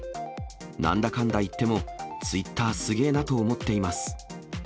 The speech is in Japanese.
なんだかんだいっても、ツイッターすげえなと思っています。